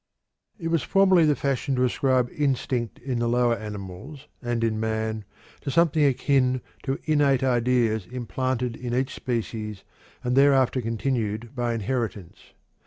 It was formerly the fashion to ascribe instinct in the lower animals, and in man, to something akin to "innate ideas" implanted in each species and thereafter continued by inheritance.